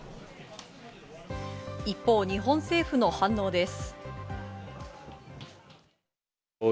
一方、日本政府の反応です。